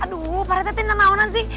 aduh aduh aduh aduh si